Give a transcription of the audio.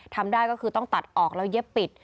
ทำได้ก็คือต้องตัดออกแล้วเย็บปิด